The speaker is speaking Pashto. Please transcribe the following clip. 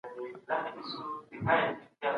هغه متخصص چي کمپيوټر پوهنه لولي، تل په څېړنه کي وي.